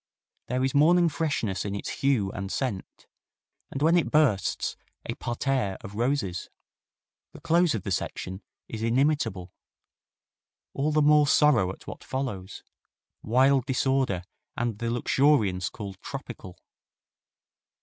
There is morning freshness in its hue and scent, and, when it bursts, a parterre of roses. The close of the section is inimitable. All the more sorrow at what follows: wild disorder and the luxuriance called tropical.